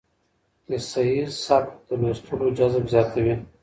کيسه ييز سبک د لوستلو جذب زياتوي.